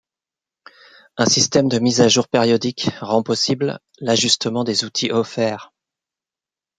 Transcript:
Un système de mises à jour périodiques rend possible l'ajustement des outils offerts.